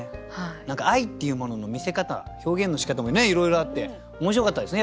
何か愛っていうものの見せ方表現のしかたもねいろいろあって面白かったですね